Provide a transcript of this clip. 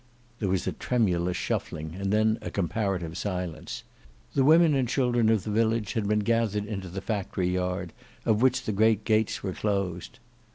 There was a tremulous shuffling and then a comparative silence. The women and children of the village had been gathered into the factory yard, of which the great gates were closed.